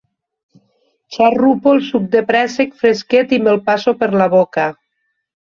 Xarrupo el suc de préssec fresquet i me'l passo per la boca.